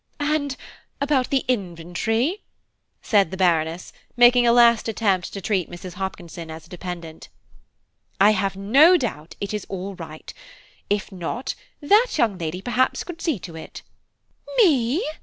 "And about the inventory?" said the Baroness, making a last attempt to treat Mrs. Hopkinson as a dependent. "I have no doubt it is all right. If not, that young lady perhaps could see to it." "Me!"